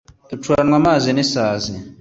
ducuranywa amazi n’isazi